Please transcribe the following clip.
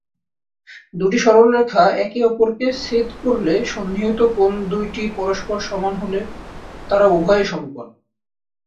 দুইটি সরলরেখা একে অপরকে ছেদ করলে সন্নিহিত কোণ দুইটি পরস্পর সমান হলে, তারা উভয়েই সমকোণ।